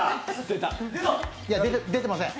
いや、出てません。